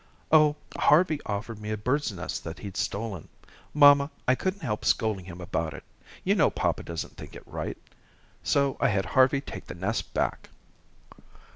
"Oh, Harvey offered me a bird's nest that he'd stolen. Mamma, I couldn't help scolding him about it. You know papa doesn't think it right. So I had Harvey take the nest back."